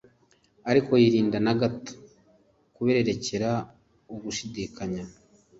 Ariko yirinda na gato kubererekera ugushidikanya.